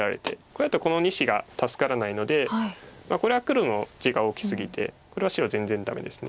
これだとこの２子が助からないのでこれは黒の地が大きすぎてこれは白全然ダメです。